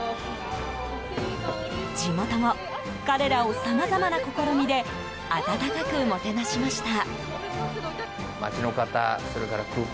地元も彼らを、さまざまな試みで温かくもてなしました。